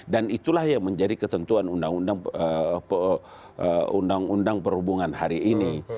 dan itulah yang menjadi ketentuan undang undang perhubungan hari ini